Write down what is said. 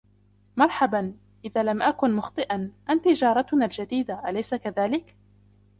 مرحباً. إذا لم أكُن مُخطِئاً, أنتِ جارتنُنا الجديدة, اليس كذلك ؟